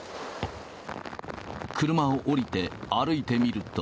車を降りて歩いてみると。